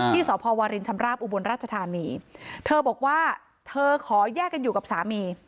ที่สพวรินชำราบอุบลราชธานีเธอบอกว่าเธอขอแยกกันอยู่กับสามี